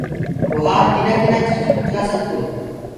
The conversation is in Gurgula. لوهآر ڪنآ ڪنآ چيجين ڪو ٺآ سگدوئي